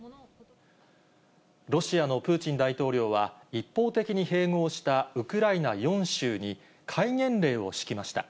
ロシアのプーチン大統領は、一方的に併合したウクライナ４州に、戒厳令を敷きました。